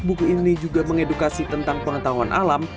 buku ini juga mengedukasi tentang pengetahuan alam